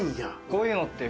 こういうのって。